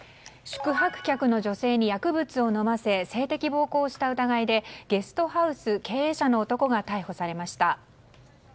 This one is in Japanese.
宿泊客の女性に薬物を飲ませ性的暴行をした疑いでゲストハウス経営者の男が逮捕されました。